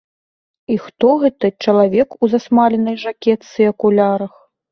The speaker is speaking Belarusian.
І хто гэты чалавек у замасленай жакетцы і акулярах?